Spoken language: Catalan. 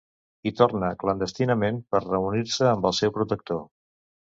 Hi torna clandestinament per reunir-se amb el seu protector.